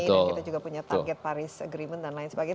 kita juga punya target paris agreement dan lain sebagainya